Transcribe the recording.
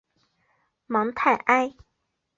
芒泰埃。